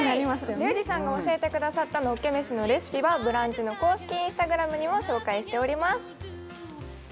リュウジさんが教えてくださったレシピは「ブランチ」の公式Ｉｎｓｔａｇｒａｍにも紹介しております。